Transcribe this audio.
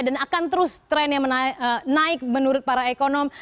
dan akan terus trennya naik menurut para ekonom